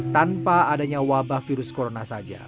tanpa adanya wabah virus corona saja